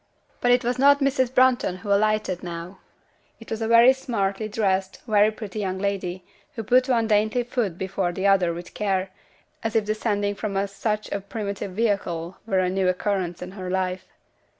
But it was not Mrs. Brunton who alighted now; it was a very smartly dressed, very pretty young lady, who put one dainty foot before the other with care, as if descending from such a primitive vehicle were a new occurrence in her life.